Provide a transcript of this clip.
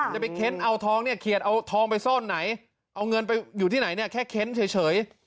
ไปเค้นเอาทองเนี่ยเขียดเอาทองไปซ่อนไหนเอาเงินไปอยู่ที่ไหนเนี่ยแค่เค้นเฉย